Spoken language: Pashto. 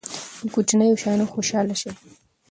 په کوچنیو شیانو خوشحاله شئ.